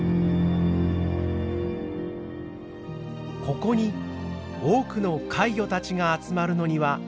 ここに多くの怪魚たちが集まるのには理由があります。